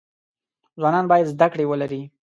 ځوانان باید زده کړی ولری